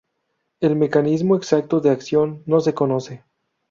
El mecanismo exacto de acción no se conoce.